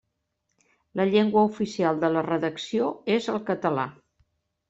La llengua oficial de la Redacció és el català.